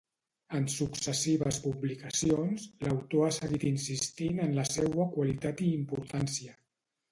En successives publicacions, l'autor ha seguit insistint en la seua qualitat i importància.